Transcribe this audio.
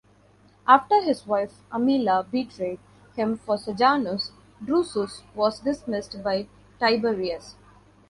After his wife Amelia betrayed him for Sejanus, Drusus was dismissed by Tiberius.